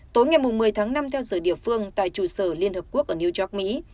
tối ngày một mươi tháng năm theo giờ địa phương tại trụ sở liên hợp quốc ở new york mỹ